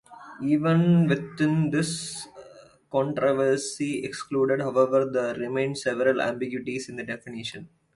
Even with this controversy excluded, however, there remain several ambiguities in the definition.